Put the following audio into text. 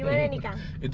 langsung untuk kita